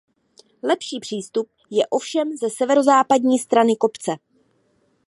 Lepší přístup je ovšem ze severozápadní strany kopce.